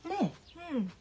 うん。